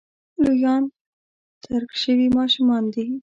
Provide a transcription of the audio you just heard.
لویان ترک شوي ماشومان دي.